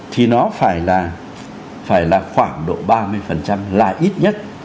thì nó phải là khoảng độ ba mươi là ít nhất